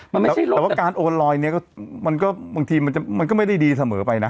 มันไม่ใช่เลยแต่ว่าการโอนลอยเนี่ยก็มันก็บางทีมันก็ไม่ได้ดีเสมอไปนะ